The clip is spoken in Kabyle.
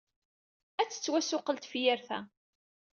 Ad d-tettwassuqqel tefyirt-a.